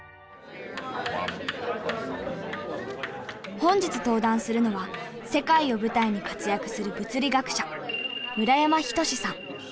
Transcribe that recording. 本日登壇するのは世界を舞台に活躍する物理学者